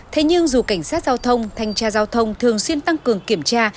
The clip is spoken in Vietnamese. thế nhưng dù cảnh sát giao thông thanh tra giao thông thường xuyên tăng cường kiểm tra